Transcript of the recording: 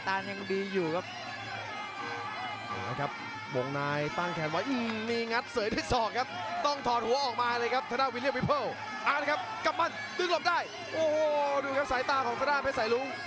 โอ้โหดูครับสายตาของธนาควิลเลียมเพชรสายรุ้ง